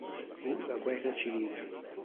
Fu la guerra civile.